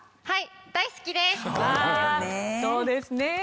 はい大好きです。だよね。